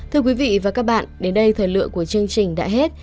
thưa quý vị và các bạn đến đây thời lượng của chương trình đã hết